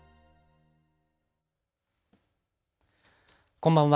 こんばんは。